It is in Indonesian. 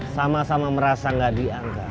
sama sama merasa gak dianggap